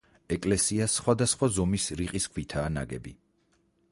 ეკლესია სხვადასხვა ზომის რიყის ქვითაა ნაგები.